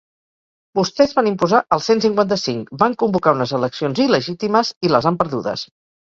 Vostès van imposar el cent cinquanta-cinc, van convocar unes eleccions il·legítimes i les han perdudes.